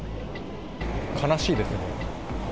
悲しいですね。